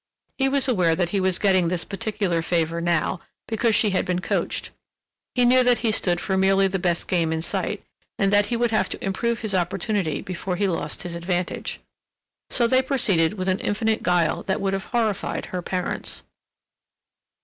He was aware that he was getting this particular favor now because she had been coached; he knew that he stood for merely the best game in sight, and that he would have to improve his opportunity before he lost his advantage. So they proceeded with an infinite guile that would have horrified her parents.